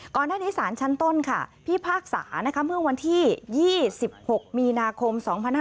ก่อนหน้านี้สารชั้นต้นพิพากษาเมื่อวันที่๒๖มีนาคม๒๕๕๙